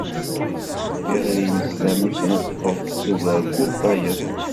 Tiɣri nesla mi nteṭṭeḍ, tugar kul tayeḍ.